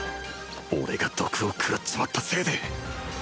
俺が毒を食らっちまったせいで